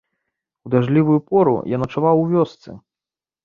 У дажджлівую пору я начаваў у вёсцы.